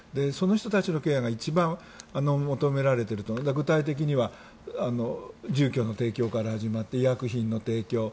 その人たちのケアが一番求められていて具体的には住居の提供から始まって医薬品の提供